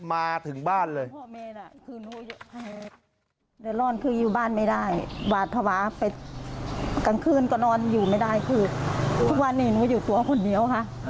มาถึงบ้านเลย